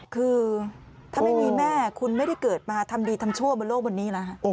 คือถ้าไม่มีแม่คุณไม่ได้เกิดมาทำดีทำชั่วบนโลกบนนี้นะฮะ